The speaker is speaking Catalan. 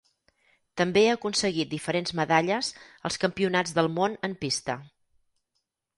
També ha aconseguit diferents medalles als Campionats del Món en pista.